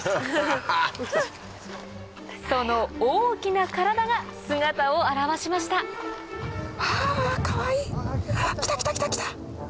その大きな体が姿を現しましたはかわいい。来た来た来た。